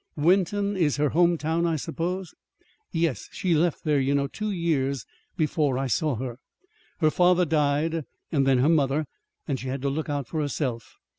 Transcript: "Wenton is her home town, I suppose." "Yes. She left there, you know, two years before I saw her. Her father died and then her mother; and she had to look out for herself.